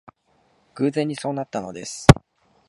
偶然にそうなったのです